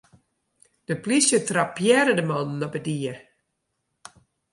De polysje trappearre de mannen op 'e die.